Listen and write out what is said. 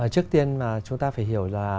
trước tiên mà chúng ta phải hiểu là